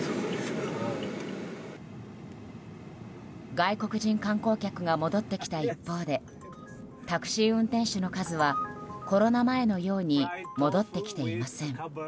外国人観光客が戻ってきた一方でタクシー運転手の数はコロナ前のように戻ってきていません。